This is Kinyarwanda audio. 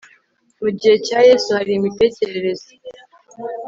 mu gihe cya yesu hari imitekerereze